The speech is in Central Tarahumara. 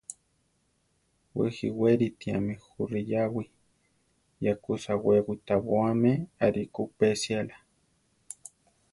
Wé jiwéritiame jú riyáwi, ya kú sawé witabóame arikó upésiala.